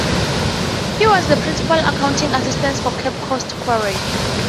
He was the Principal Accounting Assistant for Cape Coast Quarry.